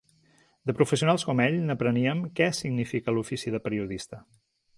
De professionals com ell n'apreníem què significa l'ofici de periodista.